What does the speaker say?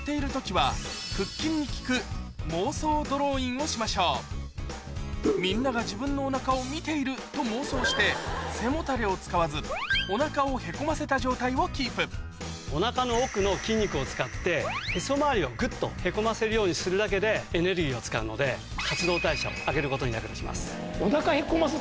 上がりましょうをしましょうと妄想して背もたれを使わずおなかをへこませた状態をキープおなかの奥の筋肉を使ってへそまわりをグッとへこませるようにするだけでエネルギーを使うので活動代謝を上げることに。